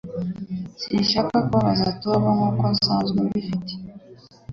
Sinshaka kubabaza Tom nkuko nsanzwe mbifite